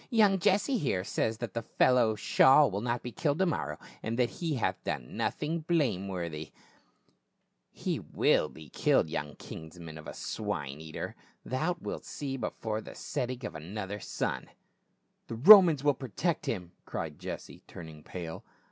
" Young Jesse, here, says that the fellow Shaul will not be killed to morrow, and that he hath done nothing blameworthy !"" He will be killed, young kinsman of a swine eater ; thou wilt see before the setting of another sun." "The Romans will protect him !" cried Jesse, turn ing pale.